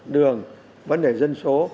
đường vấn đề dân số